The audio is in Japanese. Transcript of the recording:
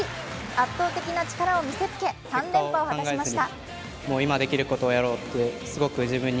圧倒的な力を見せつけ３連覇を果たしました。